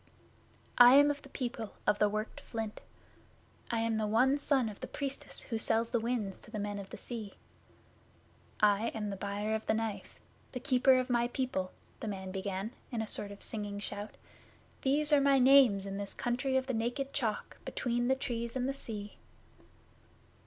'I am of the People of the Worked Flint. I am the one son of the Priestess who sells the Winds to the Men of the Sea. I am the Buyer of the Knife the Keeper of the People,' the man began, in a sort of singing shout. 'These are my names in this country of the Naked Chalk, between the Trees and the Sea.